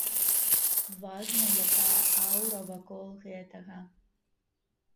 Важна, якая аўра вакол гэтага.